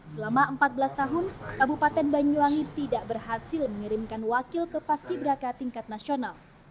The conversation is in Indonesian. selama empat belas tahun kabupaten banyuwangi tidak berhasil mengirimkan wakil ke paski beraka tingkat nasional